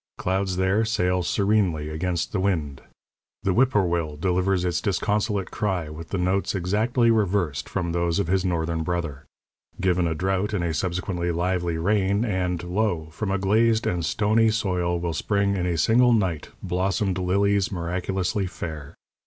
Clouds there sail serenely against the wind. The whip poor will delivers its disconsolate cry with the notes exactly reversed from those of his Northern brother. Given a drought and a subsequently lively rain, and lo! from a glazed and stony soil will spring in a single night blossomed lilies, miraculously fair.